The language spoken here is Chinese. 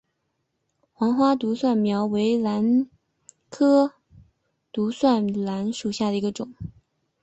黄花独蒜兰为兰科独蒜兰属下的一个种。